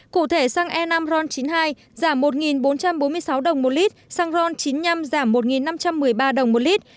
cụ thể xăng e năm ron chín mươi hai giảm một bốn trăm bốn mươi sáu đồng một lít xăng ron chín mươi năm giảm một năm trăm một mươi ba đồng một lít